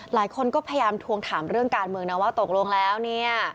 หลายคนก็พยายามทวงถามเรื่องการเมืองนะว่าตกลงแล้วเนี่ย